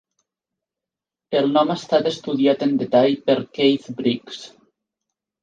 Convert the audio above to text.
El nom ha estat estudiat en detall per Keith Briggs.